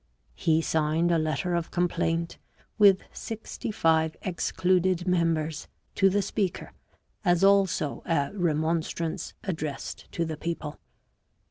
He signed a letter of complaint, with sixty five excluded members, to the speaker, as also a " Remon strance " addressed to the people.